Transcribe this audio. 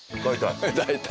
大体。